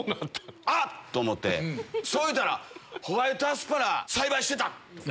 あっ！と思ってそういうたらホワイトアスパラ栽培してた。